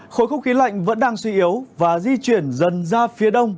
khối không khí lạnh vẫn đang suy yếu và di chuyển dần ra phía đông